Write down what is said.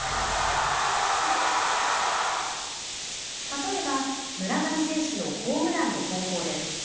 例えば、村上選手のホームランの方向です。